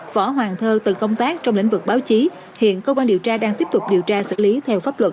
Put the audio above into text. võ hoàng thơ từng công tác trong lĩnh vực báo chí hiện cơ quan điều tra đang tiếp tục điều tra xử lý theo pháp luật